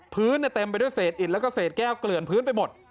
เต็มไปด้วยเศษอิดแล้วก็เศษแก้วเกลื่อนพื้นไปหมด